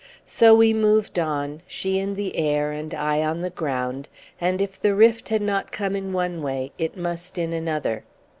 So we moved on, she in the air and I on the ground; and if the rift had not come in one way, it must in another.